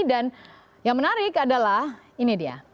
yang menarik adalah ini dia